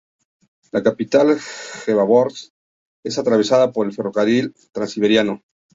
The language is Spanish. La capital, Jabárovsk, es atravesada por el ferrocarril transiberiano.